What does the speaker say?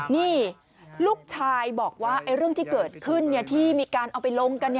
นี่ลูกชายบอกว่าเรื่องที่เกิดขึ้นที่มีการเอาไปลงกัน